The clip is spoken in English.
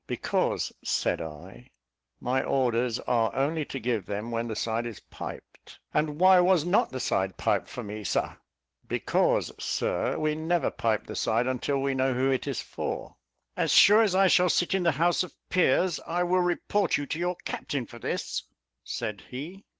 "Because," said I, "my orders are only to give them when the side is piped." "And why was not the side piped for me, Sir?" "Because, Sir, we never pipe the side until we know who it is for." "As sure as I shall sit in the House of Peers, I will report you to your captain for this," said he.